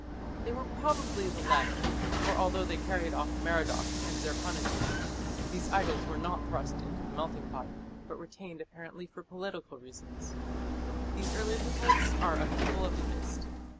They were probably the latter, for although they carried off Merodach and Zerpanituᵐ, these idols were not thrust into the melting pot, but retained apparently for political reasons. These early Hittites are "a people of the mist".